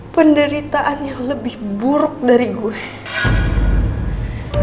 penderitaan yang lebih buruk dari gue